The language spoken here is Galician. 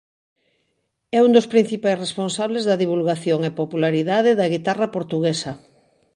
É un dos principais responsables da divulgación e popularidade da guitarra portuguesa.